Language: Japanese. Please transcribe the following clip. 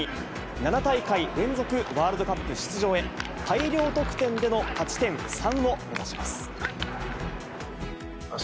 ７大会連続ワールドカップ出場へ、大量得点での勝ち点３を目指します。